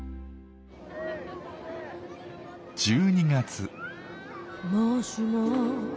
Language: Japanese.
１２月。